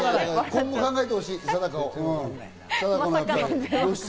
今後を考えてほしい、貞子。